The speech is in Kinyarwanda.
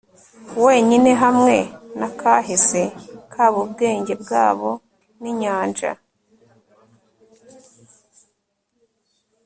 Wenyine hamwe na kahise kabo ubwenge bwabo ninyanja